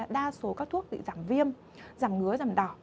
đa số các thuốc bị giảm viêm giảm ngứa giảm đỏ